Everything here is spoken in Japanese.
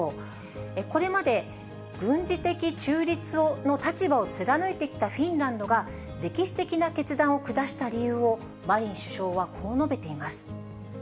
これまで軍事的中立の立場を貫いてきたフィンランドが、歴史的な決断を下した理由を、マリン首相はこう述べています。